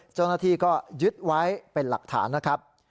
เจ้าหน้าที่ก็ยึดไว้เป็นหลักฐานนะครับ